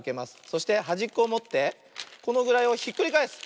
そしてはじっこをもってこのぐらいをひっくりがえす。